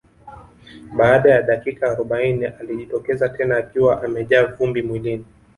Baada ya dakika arobaini alijitokeza tena akiwa amejaa vumbi mwilini